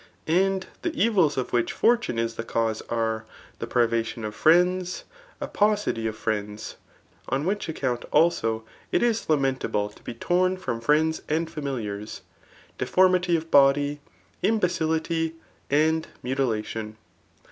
And die evils of which fortune is the canse are^ the privation of fmnda) a paucity of friends } (on xwhich account, also, it is hU mentable to be torn from friends and familiars) deformity of body, imbecillity, and mudlation.